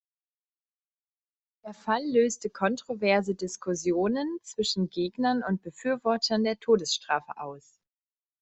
Der Fall löste kontroverse Diskussionen zwischen Gegnern und Befürwortern der Todesstrafe aus.